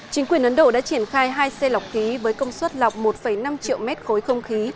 chính quyền ấn độ đã triển khai hai xe lọc khí với công suất lọc một năm triệu mét khối không khí